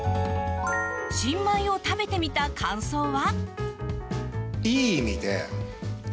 新米を食べてみた感想は。